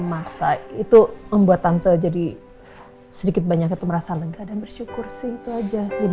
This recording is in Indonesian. masa itu membuat tante jadi sedikit banyak itu merasa lega dan bersyukur sih itu aja jadi